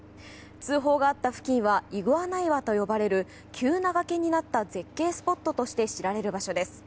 通報があった付近はイグアナ岩と呼ばれる急な崖になった絶景スポットとして知られる場所です。